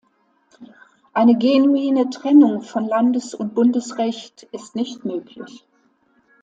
Eine genuine Trennung von Landes- und Bundesrecht ist nicht möglich.